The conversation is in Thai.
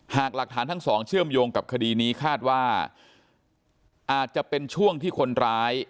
หากหลักฐานทั้งสองเชื่อมโยงกับคดีนี้คาดว่าอาจจะเป็นช่วงที่คนร้าย